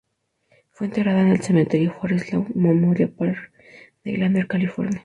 Fue enterrada en el cementerio Forest Lawn Memorial Park de Glendale, California.